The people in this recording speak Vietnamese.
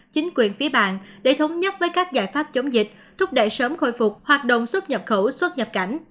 chính quyền phía bạn để thống nhất với các giải pháp chống dịch thúc đẩy sớm khôi phục hoạt động xuất nhập khẩu xuất nhập cảnh